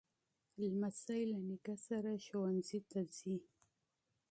لمسی له نیکه سره مکتب ته ځي.